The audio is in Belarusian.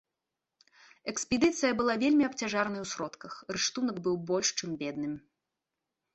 Экспедыцыя была вельмі абцяжаранай у сродках, рыштунак быў больш чым бедным.